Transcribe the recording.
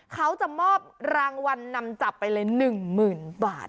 เขาจะมอบรางวัลนำจับไปเลยหนึ่งหมื่นบาท